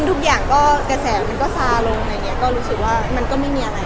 ทุกอย่างก็กระแสมันก็ซาลงอะไรอย่างเงี้ยก็รู้สึกว่ามันก็ไม่มีอะไร